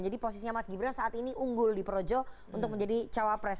jadi posisinya mas gibral saat ini unggul di projo untuk menjadi cawapres